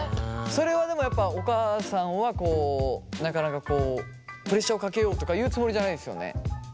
それはでもやっぱお母さんはこうプレッシャーをかけようとかいうつもりじゃないですよね？